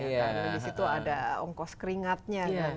karena di situ ada ongkos keringatnya kan ya